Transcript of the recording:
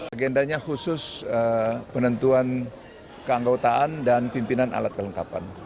agendanya khusus penentuan keanggotaan dan pimpinan alat kelengkapan